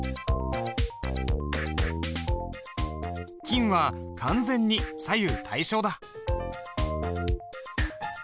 「金」は完全に左右対称だ。